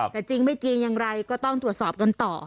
แต่จริงไม่จริงอย่างไรก็ต้องตรวจสอบกันต่อ